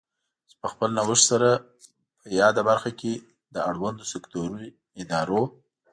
چې په خپل نوښت سره په یاده برخه کې له اړوندو سکټوري ادارو